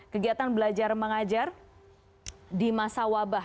kegiatan belajar mengajar di masa wabah